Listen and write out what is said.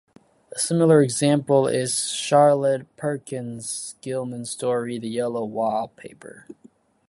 A similar example is Charlotte Perkins Gilman's story "The Yellow Wallpaper".